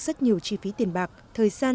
rất nhiều chi phí tiền bạc thời gian